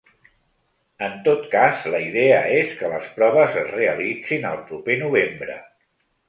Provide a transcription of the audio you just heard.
En tot cas, la idea és que les proves es realitzin el proper novembre.